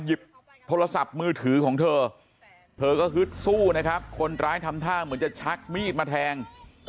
หยิบโทรศัพท์มือถือของเธอเธอก็ฮึดสู้นะครับคนร้ายทำท่าเหมือนจะชักมีดมาแทง